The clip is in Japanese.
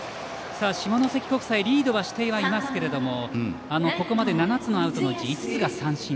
下関国際、リードはしていますがここまで７つのアウトのうち５つが三振。